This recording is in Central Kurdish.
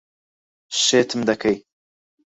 شێتم دەکەیت.